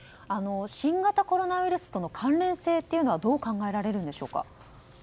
新型コロナウイルスとの関連性というのはどう考えられるんでしょうか。